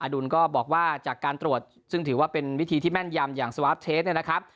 ดุลก็บอกว่าจากการตรวจซึ่งถือว่าเป็นวิธีที่แม่นยำอย่างสวาร์ฟเทสเนี่ยนะครับ